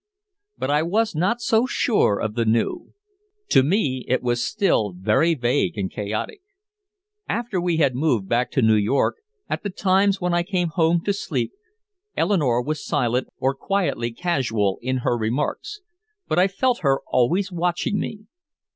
But I was not so sure of the new. To me it was still very vague and chaotic. After we had moved back to New York, at the times when I came home to sleep, Eleanore was silent or quietly casual in her remarks, but I felt her always watching me.